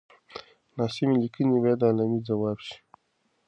ناسمې ليکنې بايد علمي ځواب شي.